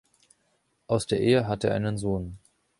Aus der Ehe hat er einen Sohn.